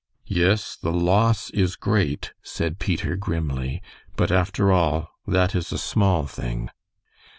"Yes, the loss is great," said Peter, grimly. "But, after all, that is a small thing."